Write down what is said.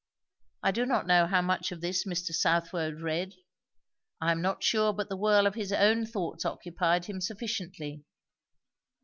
I do not know how much of this Mr. Southwode read, I am not sure but the whirl of his own thoughts occupied him sufficiently.